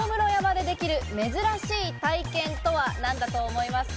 大室山でできる珍しい体験とは何だと思いますか？